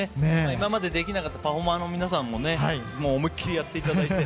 今までできなかったパフォーマーの皆さんも思い切りやっていただいて。